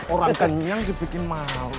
orang kenyang dibikin malu